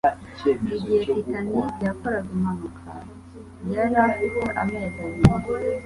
Igihe Titanic yakoraga impanuka yari afite amezi abiri